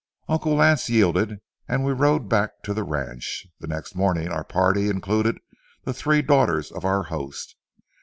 Uncle Lance yielded, and we rode back to the ranch. The next morning our party included the three daughters of our host.